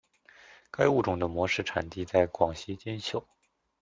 该物种的模式产地在广西金秀。